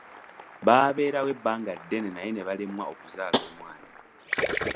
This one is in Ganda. Babeerawo ebbanga ddene naye ne balemwa okuzaala omwana.